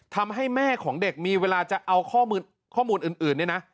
ทำให้แม่ของเด็กมีเวลาจะเอาข้อมูลอื่นเนี่ยนะ